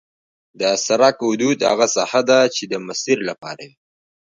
د سرک حدود هغه ساحه ده چې د مسیر لپاره وي